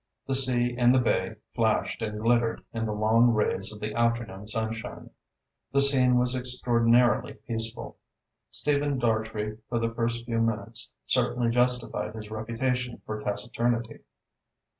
The sea in the bay flashed and glittered in the long rays of the afternoon sunshine. The scene was extraordinarily peaceful. Stephen Dartrey for the first few minutes certainly justified his reputation for taciturnity.